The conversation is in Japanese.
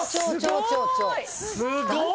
・すごい！